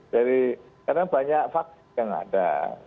karena banyak vaksi yang ada